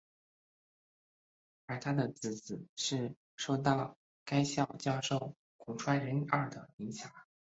而他的姊姊是受到该校教授古川竹二的影响。